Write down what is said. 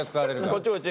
こっちこっち。